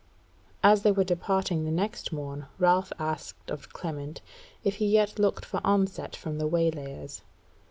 As they were departing the next morn Ralph asked of Clement if he yet looked for onset from the waylayers.